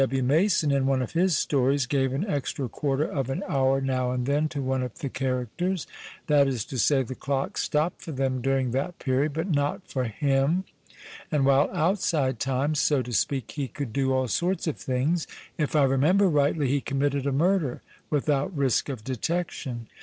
W. Mason, in one of his stories, gave an extra quarter of an hour now and then to one of the characters — that is to say, the clock stopped for them during that period, but not for him — and while outside time, so to speak, he could do all sorts of things (if I re member rightly he committed a murder) without risk of detection.